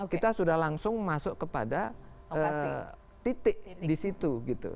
kita sudah langsung masuk kepada titik disitu gitu